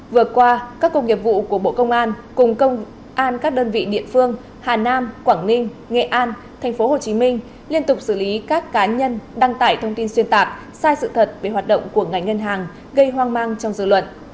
vừa qua các cục nghiệp vụ của bộ công an cùng công an các đơn vị địa phương hà nam quảng ninh nghệ an tp hcm liên tục xử lý các cá nhân đăng tải thông tin xuyên tạc sai sự thật về hoạt động của ngành ngân hàng gây hoang mang trong dự luận